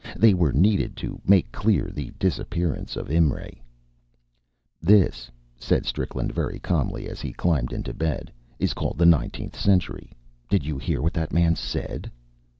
They were needed to make clear the disappearance of Imray. "This," said Strickland, very calmly, as he climbed into bed, "is called the nineteenth century. Did you hear what that man said?"